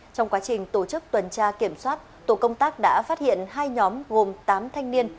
trong quá trình tổ chức tuần tra kiểm soát tổ công tác đã phát hiện hai nhóm gồm tám thanh niên